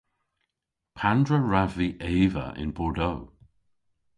Pandr'a wrav vy eva yn Bordeaux?